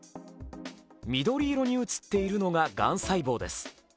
緑色に映っているのががん細胞です。